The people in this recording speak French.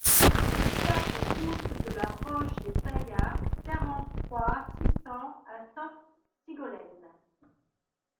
quatre route de la Roche des Taillas, quarante-trois, six cents à Sainte-Sigolène